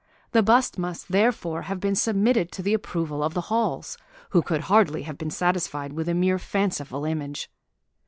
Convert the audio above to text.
The bust must, therefore, have been submitted to the approval of the Halls, who could hardly have been satisfied with a mere fanciful image.